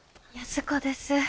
安子です。